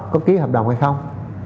có ký hợp đồng hay không